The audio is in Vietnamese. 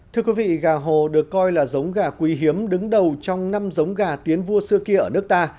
thưa quý vị gà hồ được coi là giống gà quý hiếm đứng đầu trong năm giống gà tiến vua xưa kia ở nước ta